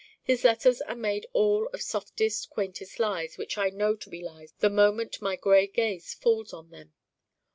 His letters are made all of softest quaintest lies which I know to be lies the moment my gray gaze falls on them.